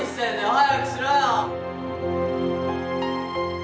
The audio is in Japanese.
早くしろよ！